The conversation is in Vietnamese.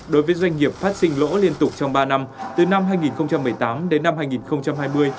đối với doanh nghiệp phát sinh lỗ liên tục trong ba năm từ năm hai nghìn một mươi tám đến năm hai nghìn hai mươi